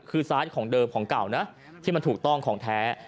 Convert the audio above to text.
คือซ้ายของเดิมของเก่านะที่มันถูกต้องของแท้